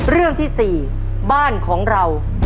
เรื่องที่๔บ้านของเรา